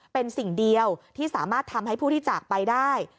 เป็นสิ่งเดียวที่สามารถทำให้ผู้ที่จากไปได้